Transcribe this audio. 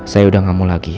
saya udah gak mau lagi